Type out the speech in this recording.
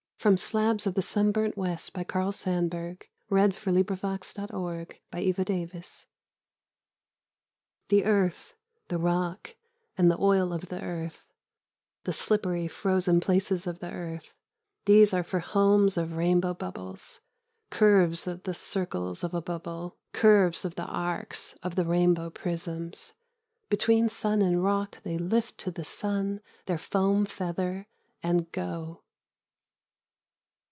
The strong men keep coming on. Slabs of the Sunburnt West 31 FOUR STEICHEN PRINTS The earth, the rock and the oil of the earth, the slippery frozen places of the earth, these are for homes of rainbow bubbles, curves of the circles of a bubble, curves of the arcs of the rainbow prisms — between sun and rock they lift to the sun their foam feather and go.